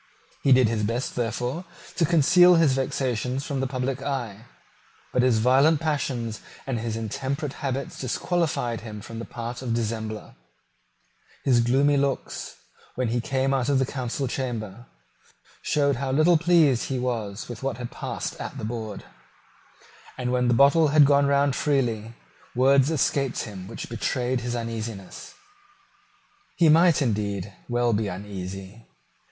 He did his best, therefore, to conceal his vexations from the public eye. But his violent passions and his intemperate habits disqualified him for the part of a dissembler. His gloomy looks, when he came out of the council chamber, showed how little he was pleased with what had passed at the board; and, when the bottle had gone round freely, words escaped him which betrayed his uneasiness. He might, indeed, well be uneasy.